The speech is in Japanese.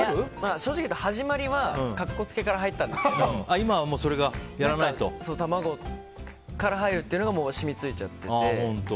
正直言うと始まりは格好つけから入ったんですけど今は玉子から入るのが染みついちゃってて。